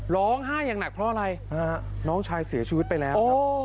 ร้องไห้อย่างหนักเพราะอะไรน้องชายเสียชีวิตไปแล้วครับ